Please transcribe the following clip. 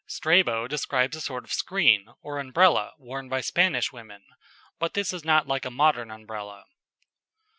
Strabo describes a sort of screen or Umbrella worn by Spanish women, but this is not like a modern Umbrella.